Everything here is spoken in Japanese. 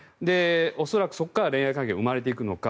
恐らくそこから恋愛関係が生まれていくのか。